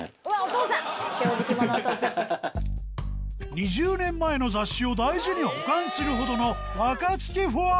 ２０年前の雑誌を大事に保管するほどの若槻ファン！